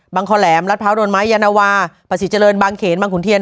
คอแหลมรัดพร้าวโดนไม้ยานวาประสิทธิเจริญบางเขนบางขุนเทียน